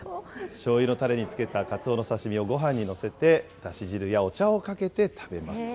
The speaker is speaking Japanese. しょうゆのたれにつけたかつおの刺身をごはんに載せてだし汁やお茶をかけて食べます。